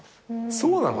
そうなの！？